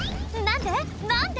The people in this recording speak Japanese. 何で？